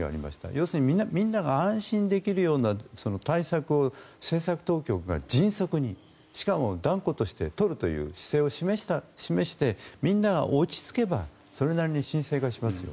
要するに、みんなが安心できるような対策を政策当局が迅速にしかも断固として取るという姿勢を示してみんなが落ち着けばそれなりに沈静化しますよ。